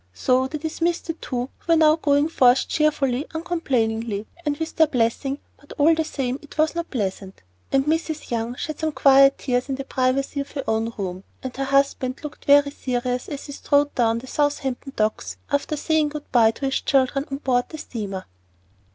So they dismissed the two who were now going forth cheerfully, uncomplainingly, and with their blessing, but all the same it was not pleasant; and Mrs. Young shed some quiet tears in the privacy of her own room, and her husband looked very serious as he strode down the Southampton docks after saying good by to his children on board the steamer.